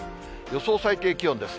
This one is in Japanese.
予想最低気温です。